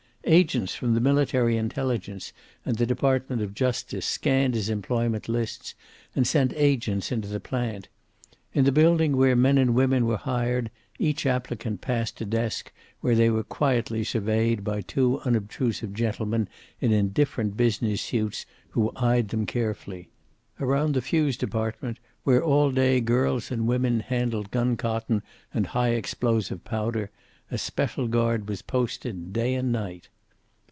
Agents from the Military Intelligence and the Department of Justice scanned his employment lists and sent agents into the plant. In the building where men and women were hired, each applicant passed a desk where they were quietly surveyed by two unobstrusive gentlemen in indifferent business suits who eyed them carefully. Around the fuse department, where all day girls and women handled guncotton and high explosive powder, a special guard was posted, day and night.